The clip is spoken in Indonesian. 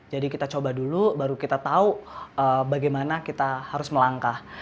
kita coba dulu baru kita tahu bagaimana kita harus melangkah